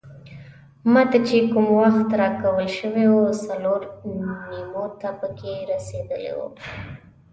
ما ته چې کوم وخت راکول شوی وو څلور نیمو ته پکې رسیدلی وم.